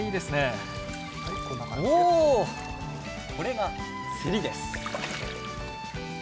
これが、せりです。